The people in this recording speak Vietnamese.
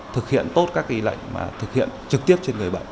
thực hiện tốt các lệnh mà thực hiện trực tiếp trên người bệnh